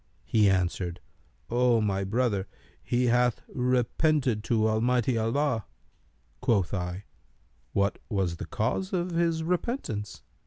He answered, 'O my brother, he hath repented to Almighty Allah.[FN#294]' Quoth I, 'What was the cause of his repentance?'